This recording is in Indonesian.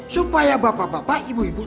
supaya bapak bapak ibu ibu